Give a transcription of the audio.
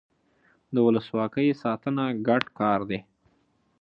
د ولسواکۍ ساتنه ګډ کار دی